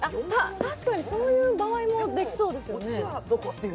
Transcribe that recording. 確かにそういう場合もできそうですね。